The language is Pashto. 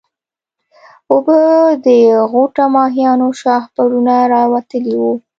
اوبه د غوټه ماهيانو شاهپرونه راوتلي وو.